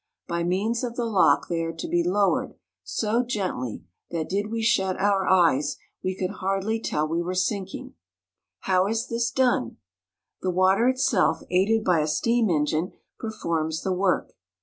By means of the lock they are to be lowered so gently that, did we shut our eyes, we could hardly tell we were sinking. How is this done ? The water itself, aided by a steam engine, performs the work.